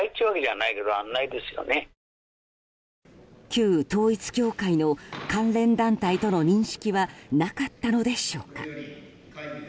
旧統一教会の関連団体との認識はなかったのでしょうか。